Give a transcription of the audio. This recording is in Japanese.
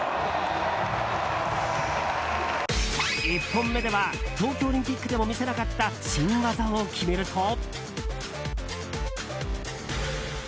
１本目では東京オリンピックでも見せなかった新技を決めると。